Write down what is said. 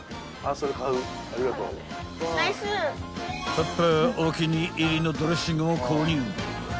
［パパお気に入りのドレッシングも購入］